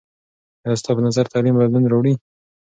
آیا ستا په نظر تعلیم بدلون راوړي؟